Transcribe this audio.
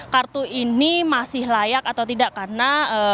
kartu ini masih layak atau tidak karena